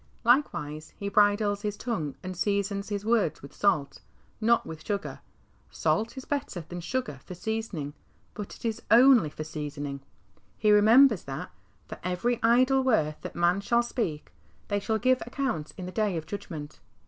Likewise he bridles his tongue and seasons his words with salt, not with sugar ; salt is better than sugar for seasoning, but it is 07ily for seasoning. He remembers that, " For every idle word that man shall speak, they shall give account in the day of judg ment."